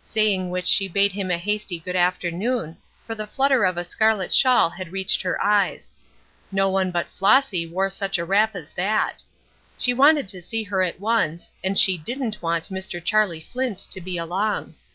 Saying which she bade him a hasty good afternoon, for the flutter of a scarlet shawl had reached her eyes. No one but Flossy wore such a wrap as that. She wanted to see her at once, and she didn't want Mr. Charlie Flint to be along.